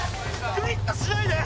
グイッとしないで！